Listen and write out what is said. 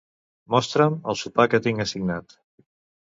Mostra'm el sopar que tinc assignat.